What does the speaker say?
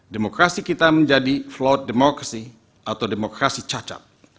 demokrasi kita menjadi flow demokrasi atau demokrasi cacat